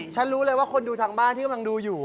ฉันรู้เลยว่าคนดูทางบ้านที่กำลังดูอยู่